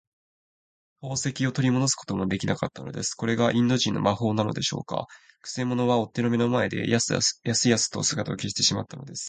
宝石をとりもどすこともできなかったのです。これがインド人の魔法なのでしょうか。くせ者は追っ手の目の前で、やすやすと姿を消してしまったのです。